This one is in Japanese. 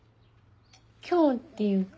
今日っていうか。